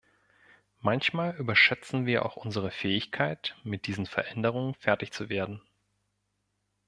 Manchmal überschätzen wir auch unsere Fähigkeit, mit diesen Veränderungen fertig zu werden.